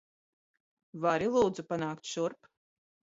Vari, lūdzu, panākt šurp?